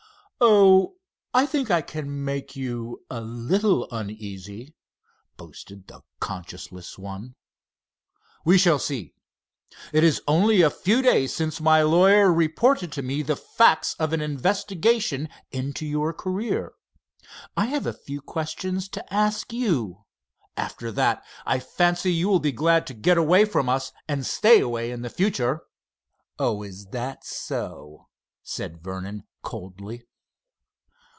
"Oh, I think I can make you a little uneasy," boasted the conscienceless one. "We shall see. It is only a few days since my lawyer reported to me the facts of an investigation into your career. I have a few questions to ask you. After that, I fancy you will be glad to get away from us and stay away in the future." "Oh, is that so?" said Vernon, coldly.